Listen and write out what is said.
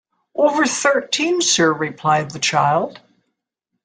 "Over thirteen, sir," replied the child.